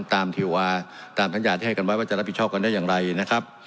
ตามที่ว่าตามสัญญาที่ให้กันไว้ว่าจะรับผิดชอบกันได้อย่างไรนะครับ